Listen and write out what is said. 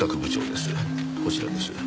こちらです。